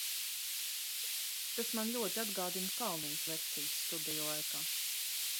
Tas man ļoti atgādina Kalniņas lekcijas studiju laikā.